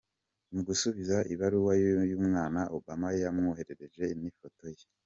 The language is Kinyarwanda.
Mu gusubiza ibaruwa y’uyu mwana, Obama yamwohererje n’ifoto ye.